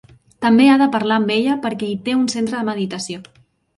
També ha de parlar amb ella perquè hi té un centre de meditació.